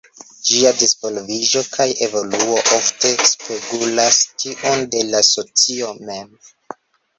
Ĝia disvolviĝo kaj evoluo ofte spegulas tiun de la socio mem.